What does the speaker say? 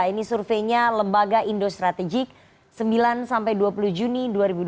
ini surveinya lembaga indo strategik sembilan sampai dua puluh juni dua ribu dua puluh